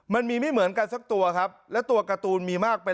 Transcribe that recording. มันมีไม่เหมือนกันสักตัวครับและตัวการ์ตูนมีมากเป็น